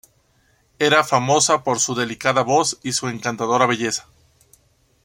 Era famosa por su delicada voz y su encantadora belleza.